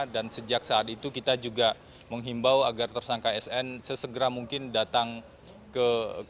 dan sejak saat itu kita juga menghimbau agar tersangka sn sesegera mungkin datang ke kpk